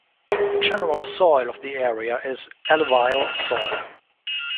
The general soil of the area is Alluvial soil.